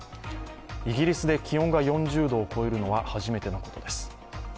イギリスで気温が４０度を超えるのは初めてのことです。